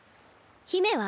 姫は？